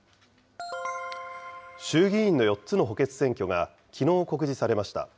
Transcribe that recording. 衆議院の４つの補欠選挙がきのう告示されました。